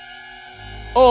seluruh desa juga tahu